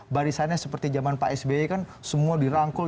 barisannya seperti zaman pak sby kan semua dirangkul